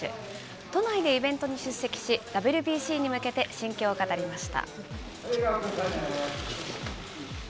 都内でイベントに出席し、ＷＢＣに向けて心境を語りました。